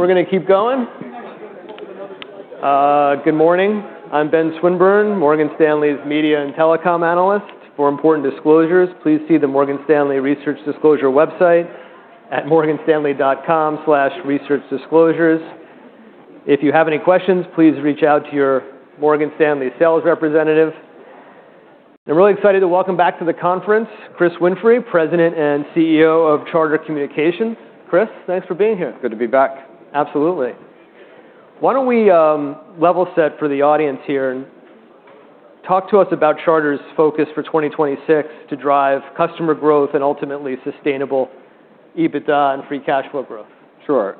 We're gonna keep going. Good morning. I'm Ben Swinburne, Morgan Stanley's media and telecom analyst. For important disclosures, please see the Morgan Stanley research disclosure website at morganstanley.com/researchdisclosures. If you have any questions, please reach out to your Morgan Stanley sales representative. I'm really excited to welcome back to the conference Chris Winfrey, President and CEO of Charter Communications. Chris, thanks for being here. Good to be back. Absolutely. Why don't we, level set for the audience here and talk to us about Charter's focus for 2026 to drive customer growth and ultimately sustainable EBITDA and free cash flow growth? Sure.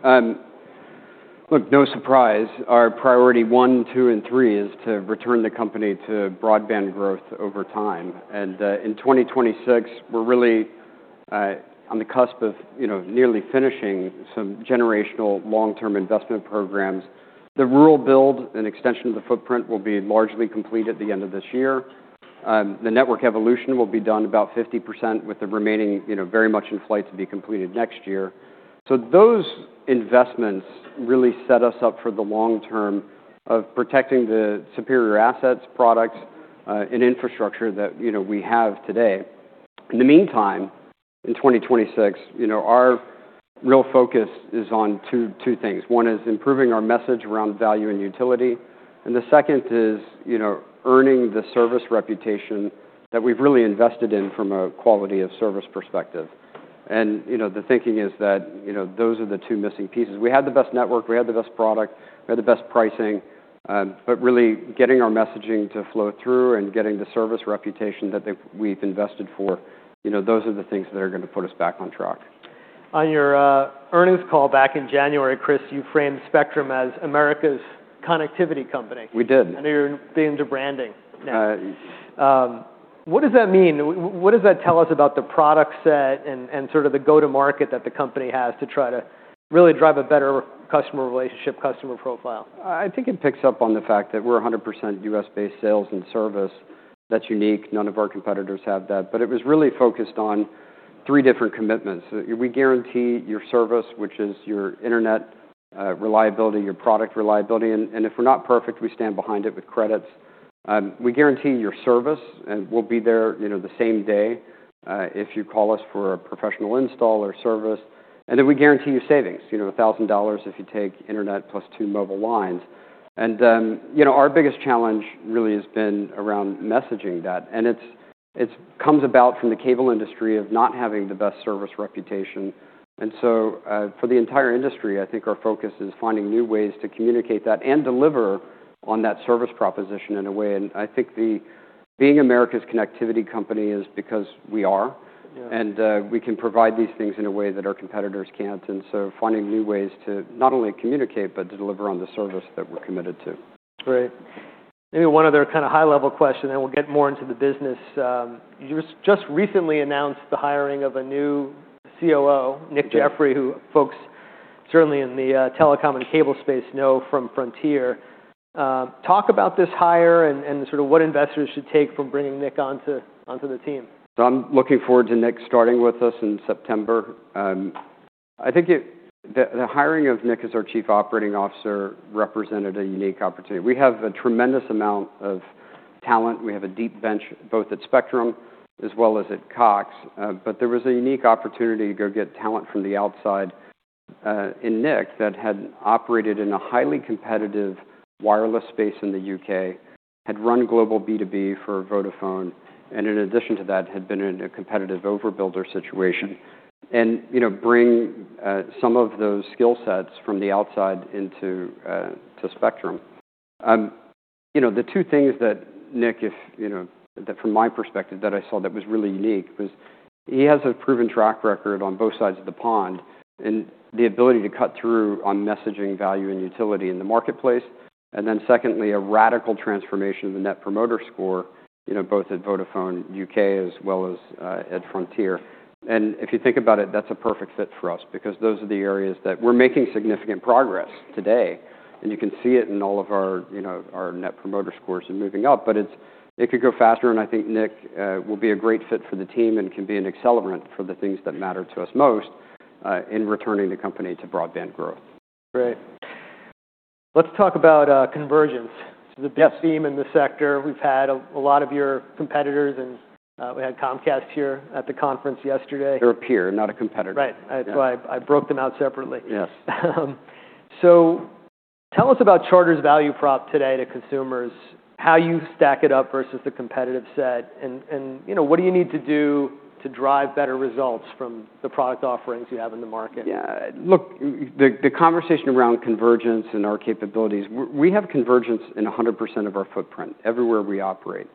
Look, no surprise, our priority one, two, and three is to return the company to broadband growth over time. In 2026, we're really on the cusp of, you know, nearly finishing some generational long-term investment programs. The rural build and extension of the footprint will be largely complete at the end of this year. The network evolution will be done about 50% with the remaining, you know, very much in flight to be completed next year. Those investments really set us up for the long term of protecting the superior assets, products, and infrastructure that, you know, we have today. In the meantime, in 2026, you know, our real focus is on two things. One is improving our message around value and utility, and the second is, you know, earning the service reputation that we've really invested in from a quality of service perspective. You know, the thinking is that, you know, those are the two missing pieces. We had the best network, we had the best product, we had the best pricing, but really getting our messaging to flow through and getting the service reputation that we've invested for, you know, those are the things that are going to put us back on track. On your earnings call back in January, Chris, you framed Spectrum as America's Connectivity Company. We did. I know you're into branding. Uh. What does that mean? What does that tell us about the product set and sort of the go-to-market that the company has to try to really drive a better customer relationship, customer profile? I think it picks up on the fact that we're 100% U.S.-based sales and service. That's unique. None of our competitors have that. It was really focused on three different commitments. We guarantee your service, which is your internet, reliability, your product reliability, and if we're not perfect, we stand behind it with credits. We guarantee your service, and we'll be there, you know, the same day, if you call us for a professional install or service. Then we guarantee you savings, you know, $1,000 if you take internet plus two mobile lines. You know, our biggest challenge really has been around messaging that. It's comes about from the cable industry of not having the best service reputation. For the entire industry, I think our focus is finding new ways to communicate that and deliver on that service proposition in a way. I think the being America's Connectivity Company is because we are. Yeah. We can provide these things in a way that our competitors can't. Finding new ways to not only communicate, but deliver on the service that we're committed to. Great. Maybe one other kind of high level question, and we'll get more into the business. You just recently announced the hiring of a new COO, Nick Jeffery, who folks certainly in the telecom and cable space know from Frontier. Talk about this hire and sort of what investors should take from bringing Nick onto the team. I'm looking forward to Nick starting with us in September. I think the hiring of Nick as our Chief Operating Officer represented a unique opportunity. We have a tremendous amount of talent. We have a deep bench both at Spectrum as well as at Cox. But there was a unique opportunity to go get talent from the outside, in Nick that had operated in a highly competitive wireless space in the U.K., had run global B2B for Vodafone, and in addition to that, had been in a competitive overbuilder situation. You know, bring some of those skill sets from the outside into Spectrum. You know, the two things that Nick, if, you know, that from my perspective that I saw that was really unique was he has a proven track record on both sides of the pond and the ability to cut through on messaging value and utility in the marketplace. Secondly, a radical transformation of the Net Promoter Score, you know, both at Vodafone UK as well as at Frontier. If you think about it, that's a perfect fit for us because those are the areas that we're making significant progress today, and you can see it in all of our, you know, our Net Promoter Scores are moving up. It could go faster, and I think Nick will be a great fit for the team and can be an accelerant for the things that matter to us most, in returning the company to broadband growth. Great. Let's talk about convergence. It's the best theme in the sector. We've had a lot of your competitors, and we had Comcast here at the conference yesterday. They're a peer, not a competitor. Right. That's why I broke them out separately. Yes. Tell us about Charter's value prop today to consumers, how you stack it up versus the competitive set, and, you know, what do you need to do to drive better results from the product offerings you have in the market? The conversation around convergence and our capabilities, we have convergence in 100% of our footprint everywhere we operate.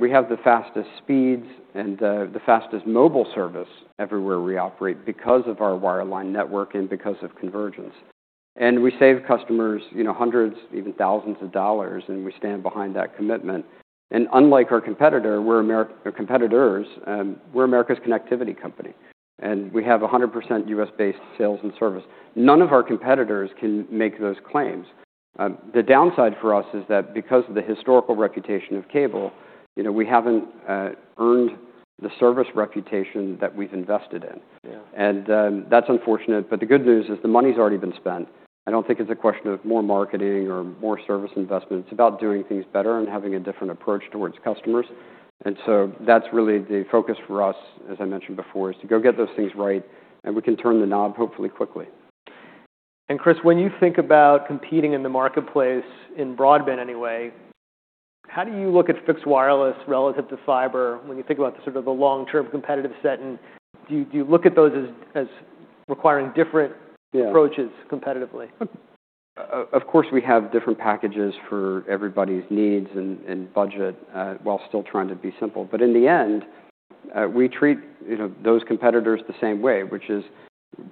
We have the fastest speeds and the fastest mobile service everywhere we operate because of our wireline network and because of convergence. We save customers, you know, hundreds, even thousands of dollars, and we stand behind that commitment. Unlike our competitors, we're America's Connectivity Company, and we have 100% US-based sales and service. None of our competitors can make those claims. The downside for us is that because of the historical reputation of cable, you know, we haven't earned the service reputation that we've invested in. Yeah. That's unfortunate, but the good news is the money's already been spent. I don't think it's a question of more marketing or more service investments. It's about doing things better and having a different approach towards customers. That's really the focus for us, as I mentioned before, is to go get those things right, and we can turn the knob hopefully quickly. Chris, when you think about competing in the marketplace in broadband anyway, how do you look at fixed wireless relative to fiber when you think about the sort of the long-term competitive set? Do you look at those as requiring different. Yeah... approaches competitively? We have different packages for everybody's needs and budget while still trying to be simple. In the end, we treat, you know, those competitors the same way, which is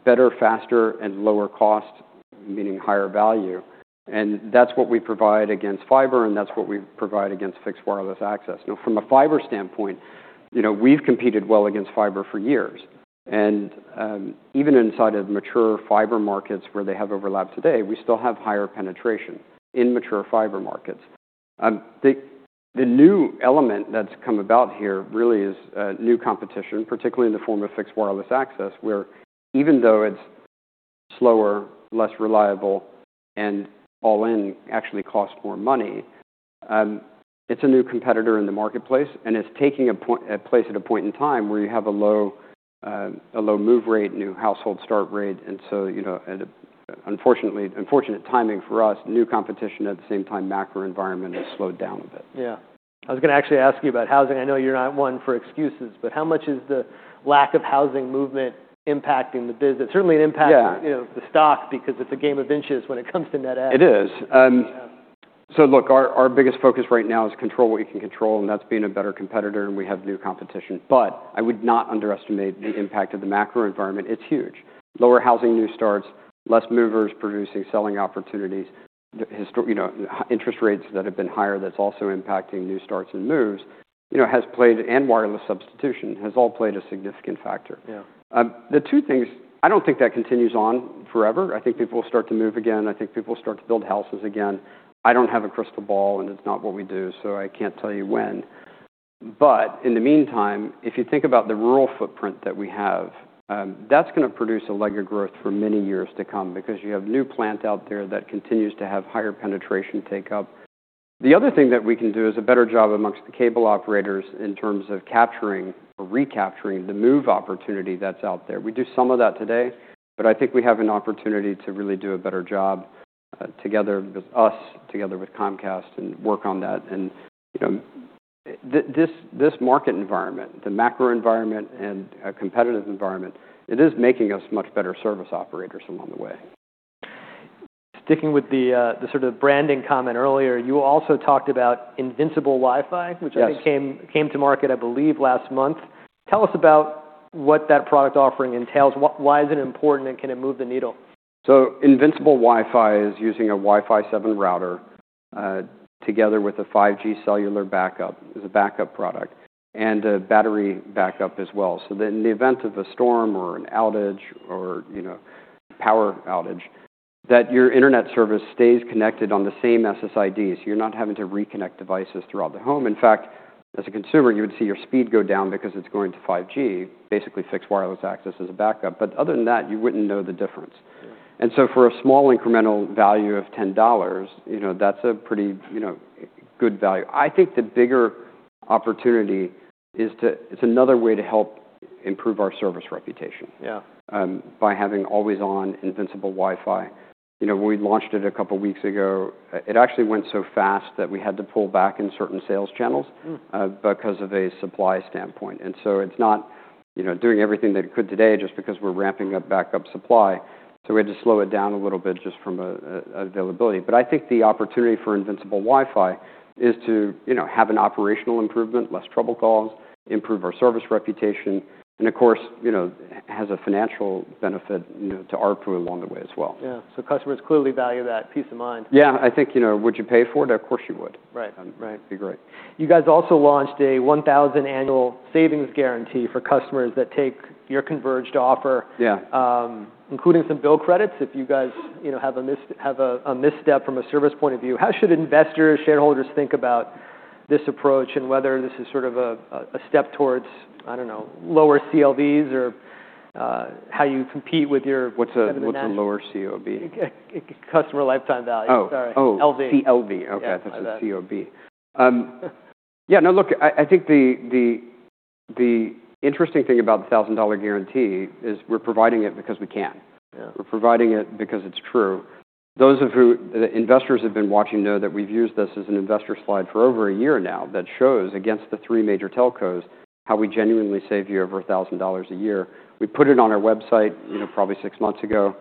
better, faster, and lower cost, meaning higher value. That's what we provide against fiber, and that's what we provide against Fixed Wireless Access. You know, from a fiber standpoint, you know, we've competed well against fiber for years. Even inside of mature fiber markets where they have overlap today, we still have higher penetration in mature fiber markets. The new element that's come about here really is new competition, particularly in the form of Fixed Wireless Access, where even though it's slower, less reliable, and all in actually costs more money. It's a new competitor in the marketplace, and it's taking a place at a point in time where you have a low, a low move rate, new household start rate. You know, at an unfortunate timing for us, new competition at the same time, macro environment has slowed down a bit. Yeah. I was gonna actually ask you about housing. I know you're not one for excuses, but how much is the lack of housing movement impacting the business? Certainly it impacts- Yeah you know, the stock because it's a game of inches when it comes to net add. It is. Yeah. Look, our biggest focus right now is control what you can control, and that's being a better competitor, and we have new competition. I would not underestimate the impact of the macro environment. It's huge. Lower housing new starts, less movers producing, selling opportunities. you know, interest rates that have been higher, that's also impacting new starts and moves, you know, and wireless substitution has all played a significant factor. Yeah. I don't think that continues on forever. I think people will start to move again. I think people will start to build houses again. I don't have a crystal ball, and it's not what we do, so I can't tell you when. In the meantime, if you think about the rural footprint that we have, that's gonna produce a leg of growth for many years to come because you have new plant out there that continues to have higher penetration take up. The other thing that we can do is a better job amongst the cable operators in terms of capturing or recapturing the move opportunity that's out there. We do some of that today, but I think we have an opportunity to really do a better job, together with us, together with Comcast and work on that. You know, this market environment, the macro environment and competitive environment, it is making us much better service operators along the way. Sticking with the sort of branding comment earlier, you also talked about Invincible WiFi. Yes... which I think came to market, I believe, last month. Tell us about what that product offering entails. Why is it important, and can it move the needle? Invincible WiFi is using a Wi-Fi 7 router, together with a 5G cellular backup. It's a backup product and a battery backup as well. In the event of a storm or an outage or, you know, power outage, that your internet service stays connected on the same SSID, so you're not having to reconnect devices throughout the home. In fact, as a consumer, you would see your speed go down because it's going to 5G, basically Fixed Wireless Access as a backup. Other than that, you wouldn't know the difference. Yeah. for a small incremental value of $10, you know, that's a pretty, you know, good value. I think the bigger opportunity it's another way to help improve our service reputation. Yeah. by having always on Invincible WiFi. You know, when we launched it a couple weeks ago, it actually went so fast that we had to pull back in certain sales channels- Mm. because of a supply standpoint. It's not, you know, doing everything that it could today just because we're ramping up backup supply, so we had to slow it down a little bit just from availability. I think the opportunity for Invincible WiFi is to, you know, have an operational improvement, less trouble calls, improve our service reputation, and of course, you know, has a financial benefit, you know, to ARPU along the way as well. Yeah. Customers clearly value that peace of mind. Yeah. I think, you know, would you pay for it? Of course, you would. Right. Right. It'd be great. You guys also launched a $1,000 annual savings guarantee for customers that take your converged offer. Yeah. including some bill credits, if you guys, you know, have a misstep from a service point of view. How should investors, shareholders think about this approach and whether this is sort of a step towards, I don't know, lower CLVs or how you compete with your- What's a lower COV? Customer lifetime value. Oh. Sorry. Oh. LV. CLV. Okay. Yeah. My bad. I thought CoV. Yeah. No, look, I think the, the interesting thing about the $1,000 guarantee is we're providing it because we can. Yeah. We're providing it because it's true. Those of you investors who've been watching know that we've used this as an investor slide for over a year now that shows against the three major telcos how we genuinely save you over $1,000 a year. We put it on our website, you know, probably six months ago.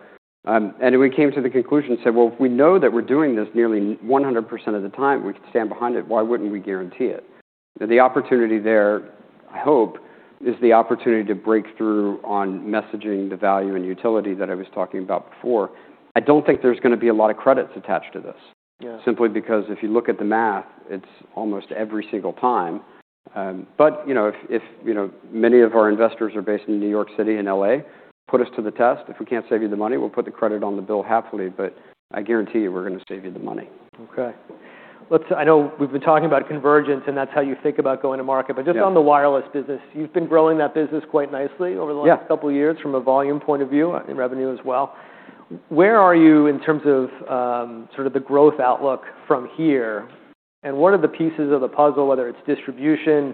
We came to the conclusion and said, "Well, we know that we're doing this nearly 100% of the time. We can stand behind it. Why wouldn't we guarantee it?" The opportunity there, I hope, is the opportunity to break through on messaging the value and utility that I was talking about before. I don't think there's gonna be a lot of credits attached to this. Yeah. Simply because if you look at the math, it's almost every single time. You know, if, you know, many of our investors are based in New York City and L.A., put us to the test. If we can't save you the money, we'll put the credit on the bill happily. I guarantee you, we're gonna save you the money. Okay. I know we've been talking about convergence, and that's how you think about going to market. Yeah. just on the wireless business, you've been growing that business quite nicely over the last... Yeah couple years from a volume point of view, in revenue as well. Where are you in terms of, sort of the growth outlook from here? What are the pieces of the puzzle, whether it's distribution,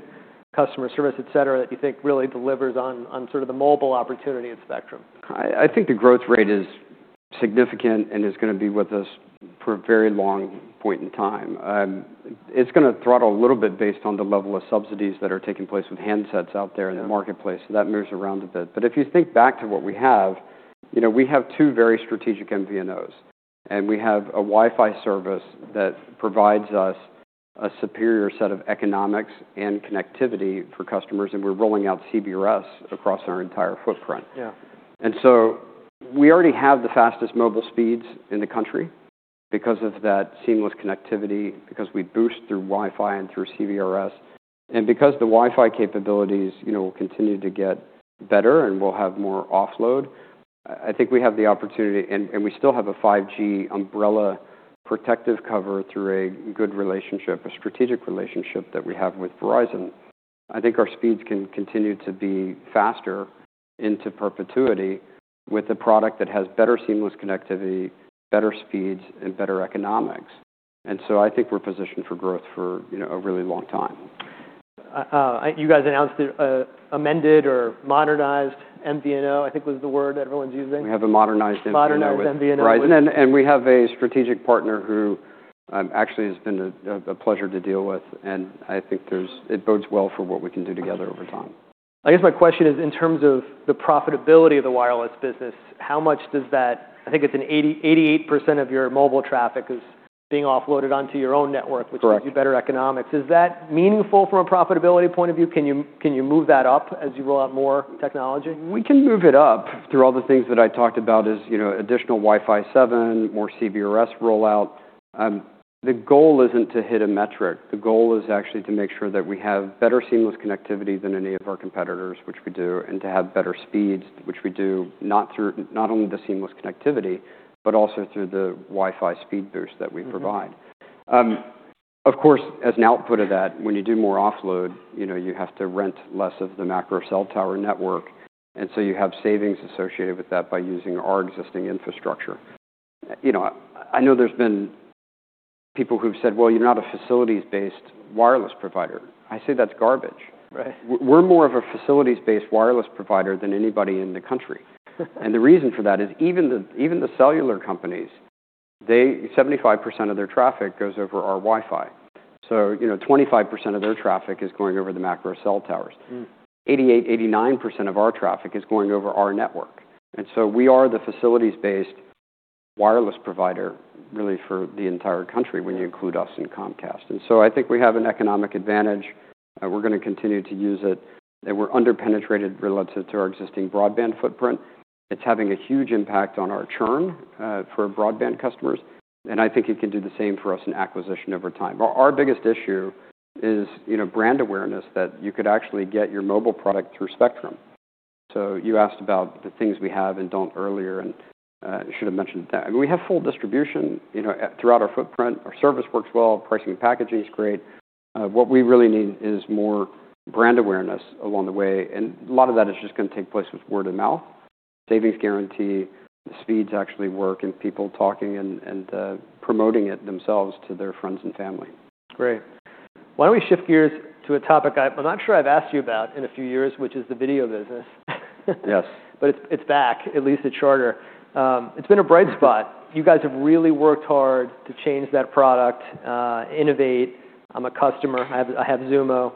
customer service, etc, that you think really delivers on sort of the mobile opportunity at Spectrum? I think the growth rate is significant and is gonna be with us for a very long point in time. It's gonna throttle a little bit based on the level of subsidies that are taking place with handsets out there in the marketplace. Yeah. That moves around a bit. If you think back to what we have, you know, we have two very strategic MVNOs, and we have a Wi-Fi service that provides us a superior set of economics and connectivity for customers, and we're rolling out CBRS across our entire footprint. Yeah. We already have the fastest mobile speeds in the country because of that seamless connectivity, because we boost through Wi-Fi and through CBRS, and because the Wi-Fi capabilities, you know, will continue to get better and we'll have more offload. I think we have the opportunity, and we still have a 5G umbrella protective cover through a good relationship, a strategic relationship that we have with Verizon. I think our speeds can continue to be faster into perpetuity with a product that has better seamless connectivity, better speeds, and better economics. I think we're positioned for growth for, you know, a really long time. You guys announced amended or modernized MVNO, I think was the word everyone's using. We have a modernized MVNO with- Modernized MVNO.... Verizon, and we have a strategic partner who, actually has been a pleasure to deal with, and I think it bodes well for what we can do together over time. I guess my question is in terms of the profitability of the wireless business, how much does that... I think it's 88% of your mobile traffic is being offloaded onto your own network- Correct... which gives you better economics. Is that meaningful from a profitability point of view? Can you move that up as you roll out more technology? We can move it up through all the things that I talked about as, you know, additional Wi-Fi seven, more CBRS rollout. The goal isn't to hit a metric. The goal is actually to make sure that we have better seamless connectivity than any of our competitors, which we do, and to have better speeds, which we do, not through, not only the seamless connectivity, but also through the Wi-Fi speed boost that we provide. Mm-hmm. Of course, as an output of that, when you do more offload, you know, you have to rent less of the macro cell tower network, and so you have savings associated with that by using our existing infrastructure. You know, I know there's been people who've said, "Well, you're not a facilities-based wireless provider." I say that's garbage. Right. We're more of a facilities-based wireless provider than anybody in the country. The reason for that is even the cellular companies, 75% of their traffic goes over our Wi-Fi. you know, 25% of their traffic is going over the macro cell towers. Mm. 88%, 89% of our traffic is going over our network. We are the facilities-based wireless provider really for the entire country when you include us and Comcast. I think we have an economic advantage, and we're gonna continue to use it. We're under-penetrated relative to our existing broadband footprint. It's having a huge impact on our churn for broadband customers, and I think it can do the same for us in acquisition over time. Our biggest issue is, you know, brand awareness that you could actually get your mobile product through Spectrum. You asked about the things we have and don't earlier, and should have mentioned that. We have full distribution, you know, throughout our footprint. Our service works well. Pricing and packaging is great. What we really need is more brand awareness along the way, and a lot of that is just gonna take place with word of mouth. Savings guarantee, the speeds actually work, and people talking and promoting it themselves to their friends and family. Great. Why don't we shift gears to a topic I'm not sure I've asked you about in a few years, which is the video business. Yes. It's back, at least at Charter. It's been a bright spot. You guys have really worked hard to change that product, innovate. I'm a customer. I have Xumo.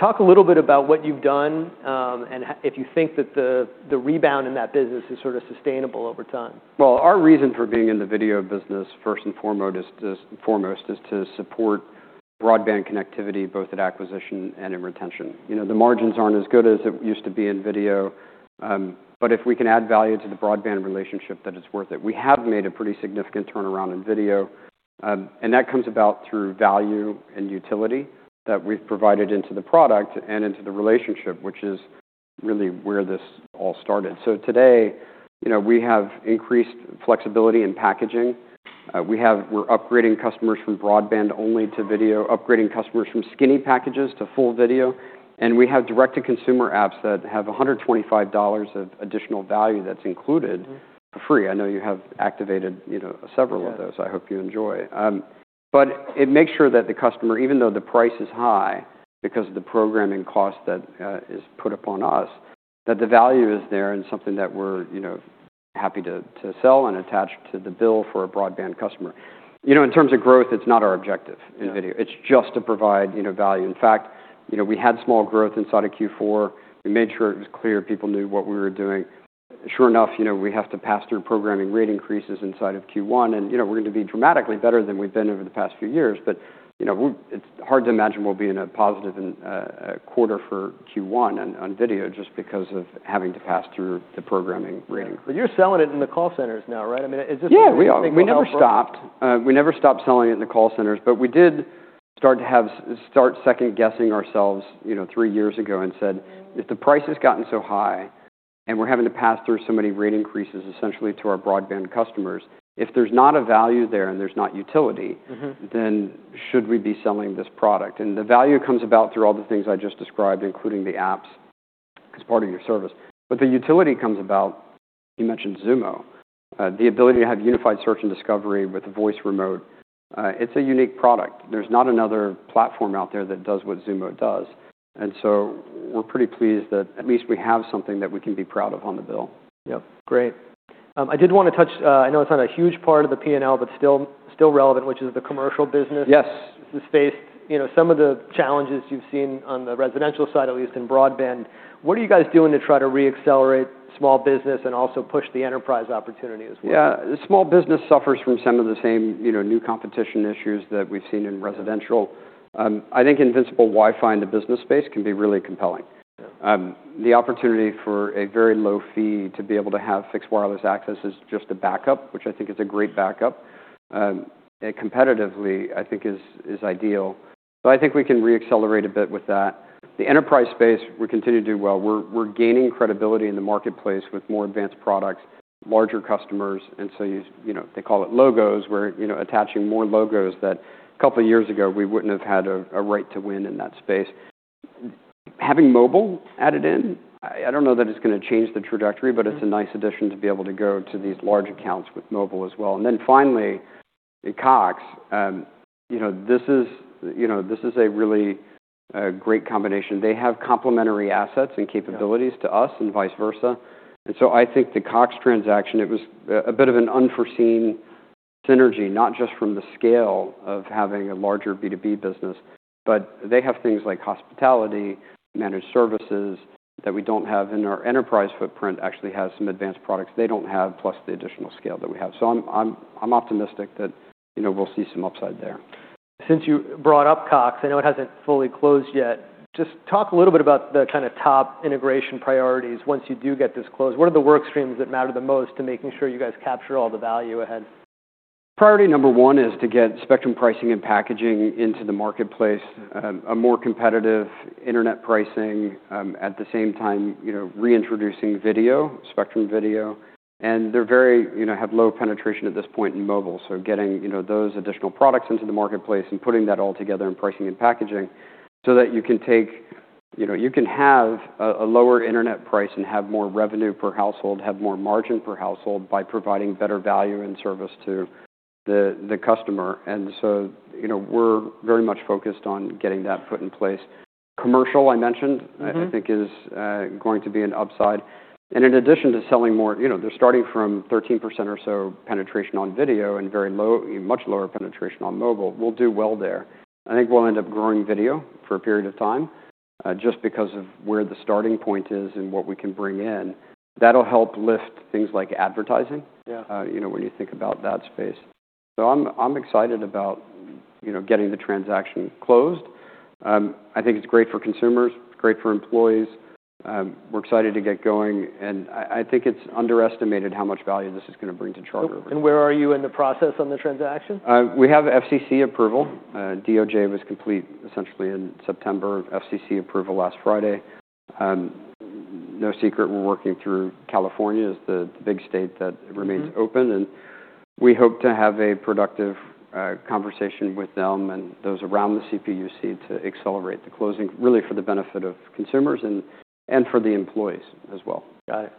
Talk a little bit about what you've done, and if you think that the rebound in that business is sort of sustainable over time. Our reason for being in the video business, first and foremost is to support broadband connectivity, both at acquisition and in retention. You know, the margins aren't as good as it used to be in video, but if we can add value to the broadband relationship, then it's worth it. We have made a pretty significant turnaround in video, and that comes about through value and utility that we've provided into the product and into the relationship, which is really where this all started. Today, you know, we have increased flexibility in packaging. We're upgrading customers from broadband only to video, upgrading customers from skinny packages to full video, and we have direct-to-consumer apps that have $125 of additional value that's included. Mm-hmm for free. I know you have activated, you know, several of those. Yeah. I hope you enjoy. It makes sure that the customer, even though the price is high because of the programming cost that is put upon us, that the value is there and something that we're, you know, happy to sell and attach to the bill for a broadband customer. You know, in terms of growth, it's not our objective in video. Yeah. It's just to provide, you know, value. In fact, you know, we had small growth inside of Q4. We made sure it was clear people knew what we were doing. Sure enough, you know, we have to pass through programming rate increases inside of Q1, and, you know, we're gonna be dramatically better than we've been over the past few years. You know, we're it's hard to imagine we'll be in a positive quarter for Q1 on video just because of having to pass through the programming rate increase. Yeah. You're selling it in the call centers now, right? I mean. Yeah, we are. We never stopped. We never stopped selling it in the call centers, but we did start second guessing ourselves, you know, three years ago and said, "If the price has gotten so high and we're having to pass through so many rate increases essentially to our broadband customers, if there's not a value there and there's not utility, then should we be selling this product?" The value comes about through all the things I just described, including the apps as part of your service. The utility comes about, you mentioned Xumo, the ability to have unified search and discovery with the voice remote. It's a unique product. There's not another platform out there that does what Xumo does. We're pretty pleased that at least we have something that we can be proud of on the bill. Yep. Great. I did wanna touch, I know it's not a huge part of the P&L, but still relevant, which is the commercial business. Yes. The space. You know, some of the challenges you've seen on the residential side, at least in broadband, what are you guys doing to try to re-accelerate small business and also push the enterprise opportunity as well? Yeah. Small business suffers from some of the same, you know, new competition issues that we've seen in residential. I think Invincible WiFi in the business space can be really compelling. The opportunity for a very low fee to be able to have Fixed Wireless Access is just a backup, which I think is a great backup, and competitively, I think is ideal. I think we can re-accelerate a bit with that. The enterprise space, we continue to do well. We're gaining credibility in the marketplace with more advanced products, larger customers. You, you know, they call it logos. We're, you know, attaching more logos that a couple years ago we wouldn't have had a right to win in that space. Having mobile added in, I don't know that it's gonna change the trajectory, but it's a nice addition to be able to go to these large accounts with mobile as well. Finally, in Cox, you know, this is, you know, this is a really great combination. They have complementary assets and capabilities to us and vice versa. I think the Cox transaction, it was a bit of an unforeseen synergy, not just from the scale of having a larger B2B business, but they have things like hospitality, managed services that we don't have, and our enterprise footprint actually has some advanced products they don't have, plus the additional scale that we have. I'm optimistic that, you know, we'll see some upside there. Since you brought up Cox, I know it hasn't fully closed yet. Just talk a little bit about the kinda top integration priorities once you do get this closed. What are the work streams that matter the most to making sure you guys capture all the value ahead? Priority number one is to get Spectrum pricing and packaging into the marketplace. A more competitive internet pricing, at the same time, you know, reintroducing video, Spectrum video. They're very, you know, have low penetration at this point in mobile, so getting, you know, those additional products into the marketplace and putting that all together in pricing and packaging so that you can have a lower internet price and have more revenue per household, have more margin per household by providing better value and service to the customer. You know, we're very much focused on getting that foot in place. Commercial, I mentioned. Mm-hmm. I think is going to be an upside. In addition to selling more, you know, they're starting from 13% or so penetration on video and very low, much lower penetration on mobile. We'll do well there. I think we'll end up growing video for a period of time, just because of where the starting point is and what we can bring in. That'll help lift things like advertising. Yeah. You know, when you think about that space. I'm excited about, you know, getting the transaction closed. I think it's great for consumers, it's great for employees. We're excited to get going, and I think it's underestimated how much value this is gonna bring to Charter. Where are you in the process on the transaction? We have FCC approval. DOJ was complete essentially in September. FCC approval last Friday. No secret we're working through California as the big state that remains open. We hope to have a productive conversation with them and those around the CPUC to accelerate the closing really for the benefit of consumers and for the employees as well. Got it.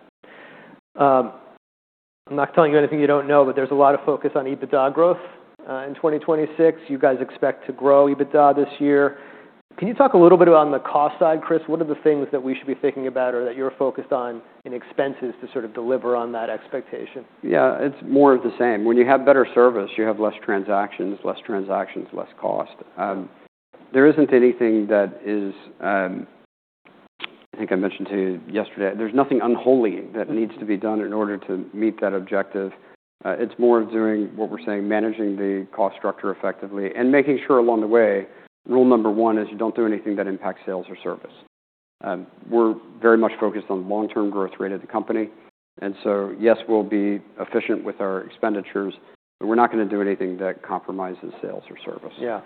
I'm not telling you anything you don't know. There's a lot of focus on EBITDA growth in 2026. You guys expect to grow EBITDA this year. Can you talk a little bit on the cost side, Chris? What are the things that we should be thinking about or that you're focused on in expenses to sort of deliver on that expectation? Yeah. It's more of the same. When you have better service, you have less transactions, less cost. There isn't anything that is... I think I mentioned to you yesterday, there's nothing unholy that needs to be done in order to meet that objective. It's more of doing what we're saying, managing the cost structure effectively and making sure along the way, rule number one is you don't do anything that impacts sales or service. We're very much focused on long-term growth rate of the company. Yes, we'll be efficient with our expenditures, but we're not gonna do anything that compromises sales or service. Yeah.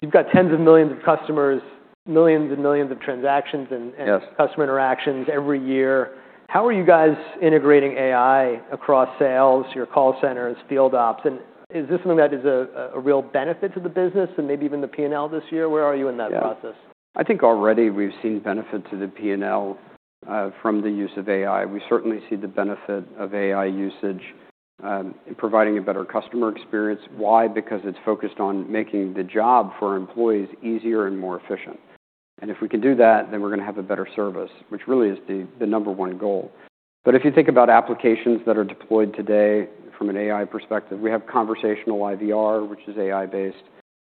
You've got tens of millions of customers, millions and millions of transactions. Yes. -customer interactions every year. How are you guys integrating AI across sales, your call centers, field ops, and is this something that is a real benefit to the business and maybe even the P&L this year? Where are you in that process? I think already we've seen benefit to the P&L from the use of AI. We certainly see the benefit of AI usage in providing a better customer experience. Why? Because it's focused on making the job for employees easier and more efficient. If we can do that, then we're gonna have a better service, which really is the number one goal. If you think about applications that are deployed today from an AI perspective, we have conversational IVR, which is AI based.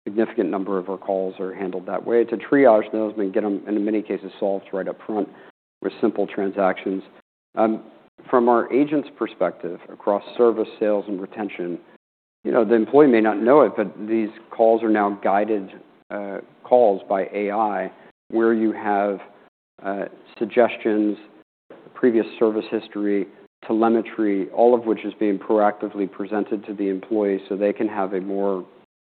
Significant number of our calls are handled that way to triage those and get them, in many cases, solved right up front with simple transactions. From our agent's perspective across service, sales, and retention, you know, the employee may not know it, but these calls are now guided calls by AI, where you have suggestions, previous service history, telemetry, all of which is being proactively presented to the employee so they can have a more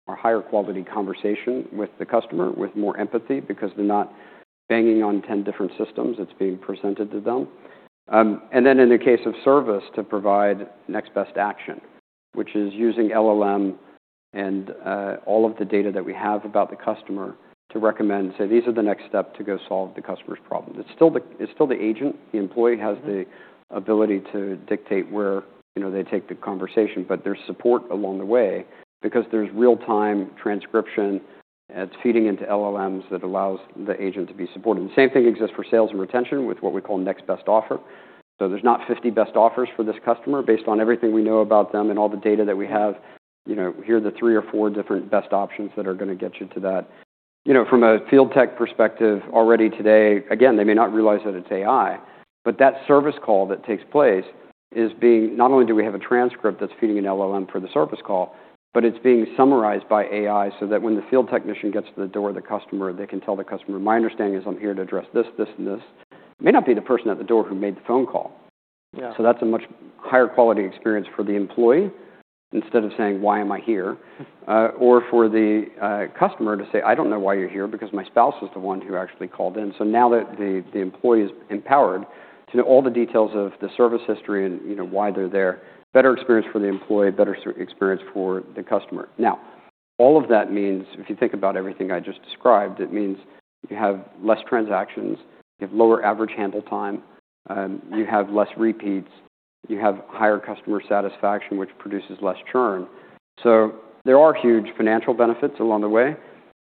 or higher quality conversation with the customer with more empathy because they're not banging on 10 different systems, it's being presented to them. In the case of service to provide next best action, which is using LLM and all of the data that we have about the customer to recommend, say, these are the next step to go solve the customer's problems. It's still the agent. The employee has the ability to dictate where, you know, they take the conversation, but there's support along the way because there's real-time transcription, and it's feeding into LLMs that allows the agent to be supported. The same thing exists for sales and retention with what we call next best offer. There's not 50 best offers for this customer based on everything we know about them and all the data that we have. You know, here are the three or four different best options that are gonna get you to that. You know, from a field tech perspective already today... They may not realize that it's AI, but that service call that takes place not only do we have a transcript that's feeding an LLM for the service call, but it's being summarized by AI so that when the field technician gets to the door of the customer, they can tell the customer, "My understanding is I'm here to address this, and this." It may not be the person at the door who made the phone call. Yeah. That's a much higher quality experience for the employee. Instead of saying, "Why am I here?" or for the customer to say, "I don't know why you're here because my spouse was the one who actually called in." Now that the employee is empowered to know all the details of the service history and you know why they're there, better experience for the employee, better experience for the customer. All of that means if you think about everything I just described, it means you have less transactions, you have lower average handle time, you have less repeats, you have higher customer satisfaction, which produces less churn. There are huge financial benefits along the way,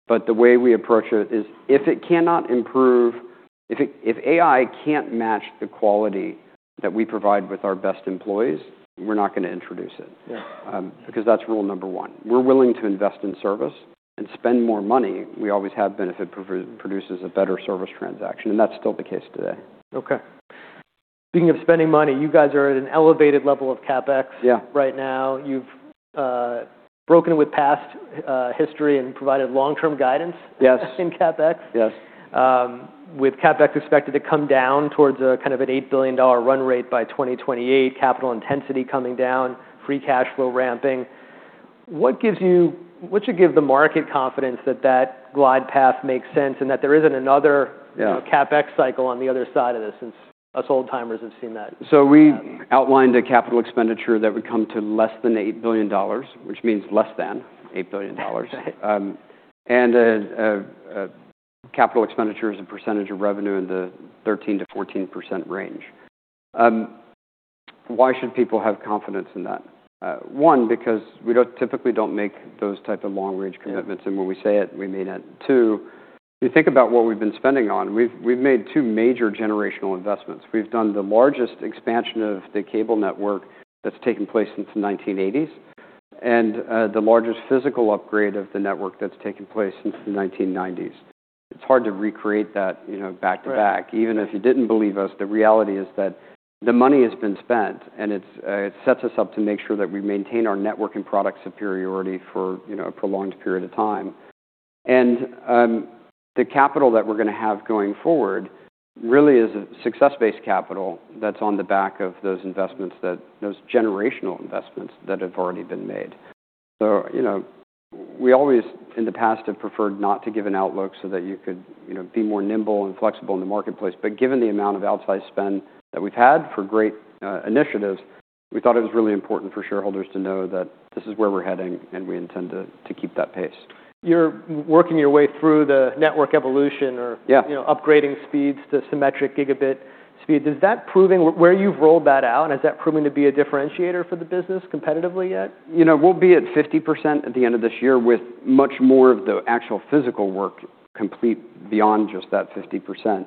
but the way we approach it is if it cannot improve... If AI can't match the quality that we provide with our best employees, we're not gonna introduce it. Yeah. Because that's rule number one. We're willing to invest in service and spend more money. We always have benefit produces a better service transaction. That's still the case today. Okay. Speaking of spending money, you guys are at an elevated level of CapEx... Yeah. right now. You've broken with past history and provided long-term guidance- Yes. in CapEx. Yes. With CapEx expected to come down towards a kind of an $8 billion run rate by 2028, capital intensity coming down, free cash flow ramping. What should give the market confidence that that glide path makes sense and that there isn't another? Yeah. CapEx cycle on the other side of this since us old-timers have seen that. We outlined a CapEx that would come to less than $8 billion, which means less than $8 billion. A CapEx as a percentage of revenue in the 13%-14% range. Why should people have confidence in that? One, because we typically don't make those type of long-range commitments. Yeah. When we say it, we mean it., you think about what we've been spending on. We've made two major generational investments. We've done the largest expansion of the cable network that's taken place since the 1980s and the largest physical upgrade of the network that's taken place since the 1990s. It's hard to recreate that, you know, back to back. Right. Even if you didn't believe us, the reality is that the money has been spent, and it sets us up to make sure that we maintain our network and product superiority for, you know, a prolonged period of time. The capital that we're gonna have going forward really is a success-based capital that's on the back of those generational investments that have already been made. You know, we always in the past have preferred not to give an outlook so that you could, you know, be more nimble and flexible in the marketplace. Given the amount of outsized spend that we've had for great initiatives, we thought it was really important for shareholders to know that this is where we're heading, and we intend to keep that pace. You're working your way through the network evolution. Yeah. You know, upgrading speeds to symmetric gigabit speed. Where you've rolled that out, is that proving to be a differentiator for the business competitively yet? You know, we'll be at 50% at the end of this year with much more of the actual physical work complete beyond just that 50%.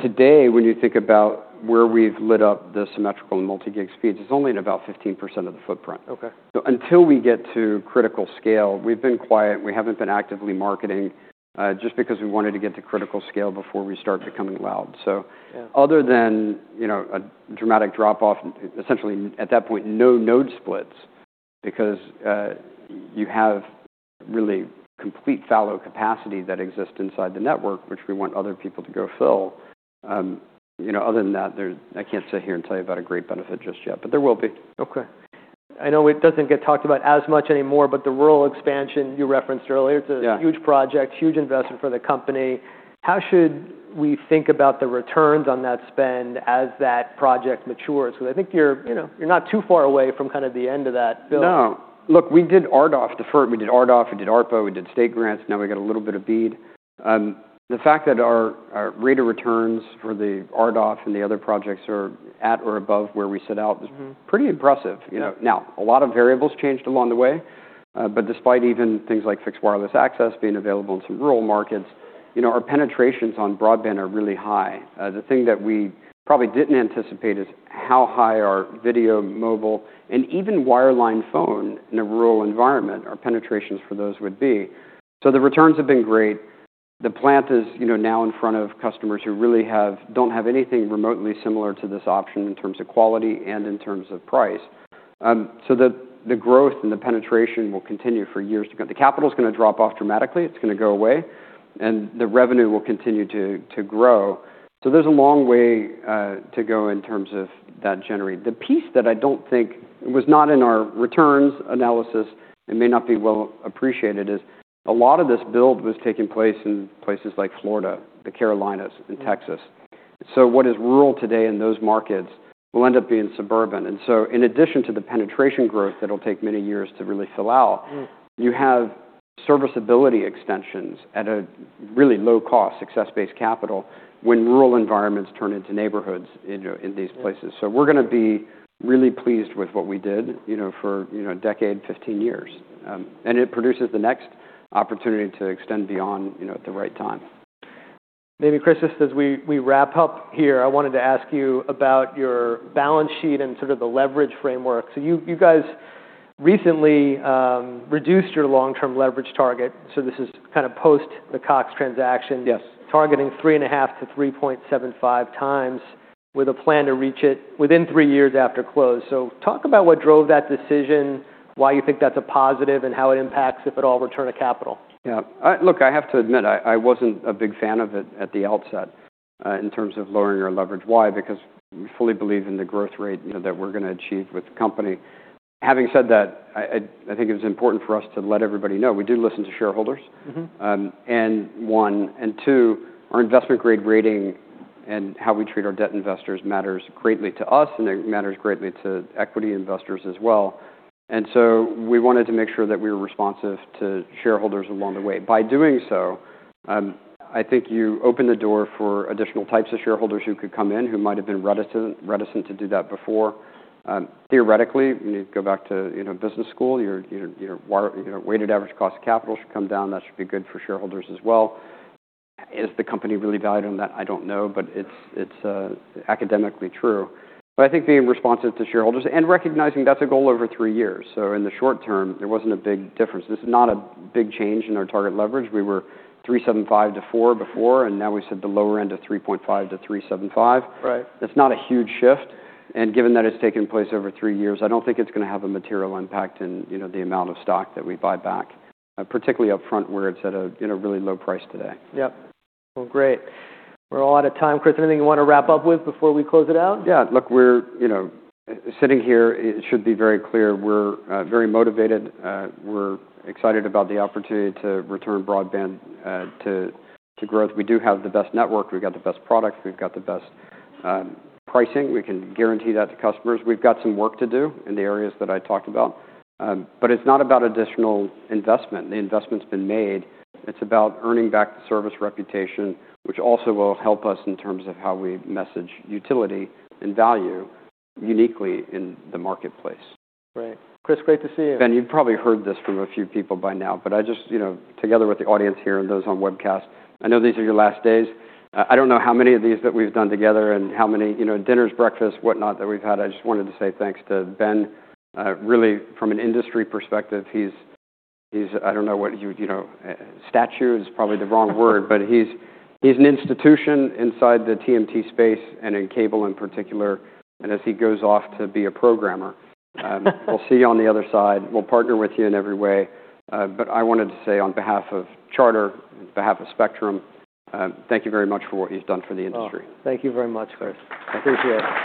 Today, when you think about where we've lit up the symmetrical and multi-gig speeds, it's only in about 15% of the footprint. Okay. Until we get to critical scale, we've been quiet. We haven't been actively marketing, just because we wanted to get to critical scale before we start becoming loud. Yeah. Other than, you know, a dramatic drop-off, essentially at that point, no node splits because you have really complete fallow capacity that exists inside the network, which we want other people to go fill. You know, other than that, I can't sit here and tell you about a great benefit just yet, but there will be. Okay. I know it doesn't get talked about as much anymore, but the rural expansion you referenced earlier... Yeah. It's a huge project, huge investment for the company. How should we think about the returns on that spend as that project matures? 'Cause I think you're, you know, you're not too far away from kind of the end of that build. No. Look, we did RDOF deferred. We did RDOF, we did ARPA, we did state grants. We got a little bit of BEAD. The fact that our rate of returns for the RDOF and the other projects are at or above where we set out is pretty impressive. Mm-hmm. You know. A lot of variables changed along the way. Despite even things like Fixed Wireless Access being available in some rural markets, you know, our penetrations on broadband are really high. The thing that we probably didn't anticipate is how high our video, mobile, and even wireline phone in a rural environment, our penetrations for those would be. The returns have been great. The plant is, you know, now in front of customers who really don't have anything remotely similar to this option in terms of quality and in terms of price. The growth and the penetration will continue for years to come. The capital's gonna drop off dramatically. It's gonna go away, and the revenue will continue to grow. There's a long way to go in terms of that generate. The piece that I don't think was not in our returns analysis and may not be well appreciated is a lot of this build was taking place in places like Florida, the Carolinas, and Texas. What is rural today in those markets will end up being suburban. In addition to the penetration growth that'll take many years to really fill out- Mm. You have serviceability extensions at a really low cost, success-based capital, when rural environments turn into neighborhoods in these places. We're gonna be really pleased with what we did, you know, for, you know, a decade, 15 years. It produces the next opportunity to extend beyond, you know, at the right time. Maybe, Chris, just as we wrap up here, I wanted to ask you about your balance sheet and sort of the leverage framework. You guys recently reduced your long-term leverage target, so this is kind of post the Cox transaction. Yes. -targeting three and a half to 3.75 times with a plan to reach it within three years after close. Talk about what drove that decision, why you think that's a positive, and how it impacts, if at all, return to capital? Look, I have to admit, I wasn't a big fan of it at the outset, in terms of lowering our leverage. Why? Because we fully believe in the growth rate, you know, that we're gonna achieve with the company. Having said that, I think it was important for us to let everybody know we do listen to shareholders. Mm-hmm. Our investment grade rating and how we treat our debt investors matters greatly to us, and it matters greatly to equity investors as well. We wanted to make sure that we were responsive to shareholders along the way. By doing so, I think you open the door for additional types of shareholders who could come in, who might have been reticent to do that before. Theoretically, when you go back to, you know, business school, your weighted average cost of capital should come down. That should be good for shareholders as well. Is the company really valued on that? I don't know, but it's academically true. I think being responsive to shareholders and recognizing that's a goal over three years. In the short term, there wasn't a big difference. This is not a big change in our target leverage. We were 3.75 - 4 before, and now we said the lower end of 3.5 - 3.75. Right. It's not a huge shift. Given that it's taken place over three years, I don't think it's going to have a material impact in, you know, the amount of stock that we buy back, particularly up front where it's at a, you know, really low price today. Yep. Well, great. We're all out of time. Chris, anything you wanna wrap up with before we close it out? Yeah. Look, we're, you know, sitting here, it should be very clear we're very motivated. We're excited about the opportunity to return broadband to growth. We do have the best network. We've got the best product. We've got the best pricing. We can guarantee that to customers. We've got some work to do in the areas that I talked about, but it's not about additional investment. The investment's been made. It's about earning back the service reputation, which also will help us in terms of how we message utility and value uniquely in the marketplace. Great. Chris, great to see you. Ben, you've probably heard this from a few people by now, but I just, you know, together with the audience here and those on webcast, I know these are your last days. I don't know how many of these that we've done together and how many, you know, dinners, breakfast, whatnot that we've had. I just wanted to say thanks to Ben. Really from an industry perspective, he's I don't know what you'd, you know, statue is probably the wrong word, but he's an institution inside the TMT space and in cable in particular. As he goes off to be a programmer, we'll see you on the other side. We'll partner with you in every way. I wanted to say on behalf of Charter, on behalf of Spectrum, thank you very much for what he's done for the industry. Oh, thank you very much, Chris. I appreciate it.